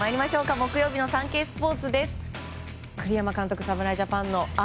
木曜日のサンケイスポーツです。